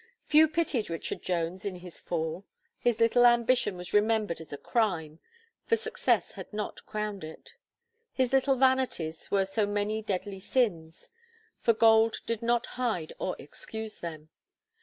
Few pitied Richard Jones in his fall. His little ambition was remembered as a crime; for success had not crowned it. His little vanities were so many deadly sins; for gold did not hide or excuse them.